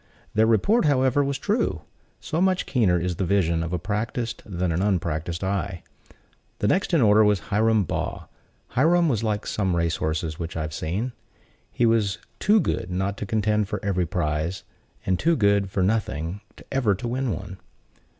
Their report, however, was true; so much keener is the vision of a practiced than an unpracticed eye. The next in order was Hiram Baugh. Hiram was like some race horses which I have seen; he was too good not to contend for every prize, and too good for nothing ever to win one.